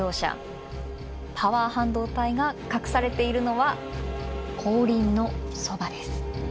パワー半導体が隠されているのは後輪のそばです。